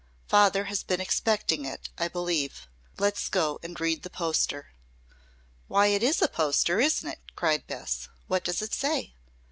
Father has been expecting it, I believe. Let's go and read the poster." "Why it is a poster, isn't it?" cried Bess. "What does it say?"